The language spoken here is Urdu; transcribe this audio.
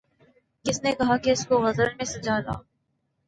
کس نے کہا کہ اس کو غزل میں سجا لا